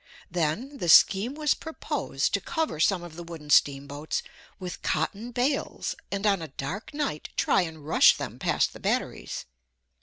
Then, the scheme was proposed to cover some of the wooden steamboats with cotton bales and on a dark night try and rush them past the batteries.